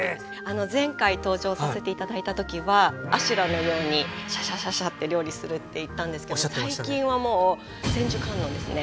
前回登場させて頂いた時は阿修羅のようにシャシャシャシャッて料理するって言ったんですけど最近はもう千手観音ですね。